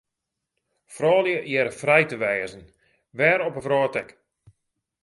Froulju hearre frij te wêze, wêr op 'e wrâld ek.